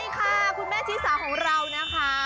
ค่ะของคุณแม่ชิศาของเรานะคะ